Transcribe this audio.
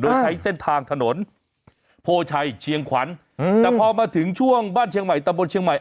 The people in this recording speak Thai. โดยใช้เส้นทางถนนโพชัยเชียงขวัญแต่พอมาถึงช่วงบ้านเชียงใหม่ตะบนเชียงใหม่